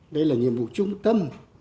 đây là nhiệm vụ trung tâm